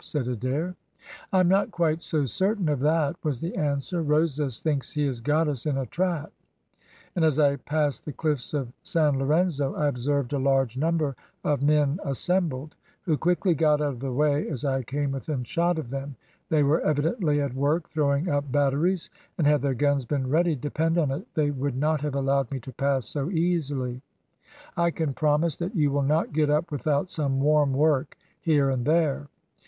said Adair. "I am not quite so certain of that," was the answer. "Rosas thinks he has got us in a trap; and as I passed the cliffs of San Lorenzo I observed a large number of men assembled, who quickly got out of the way as I came within shot of them; they were evidently at work throwing up batteries, and had their guns been ready, depend on it they would not have allowed me to pass so easily; I can promise that you will not get up without some warm work, here and there."